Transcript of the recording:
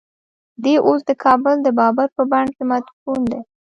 دی اوس د کابل د بابر په بڼ کې مدفون دی.